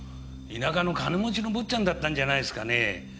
田舎の金持ちの坊っちゃんだったんじゃないですかねえ。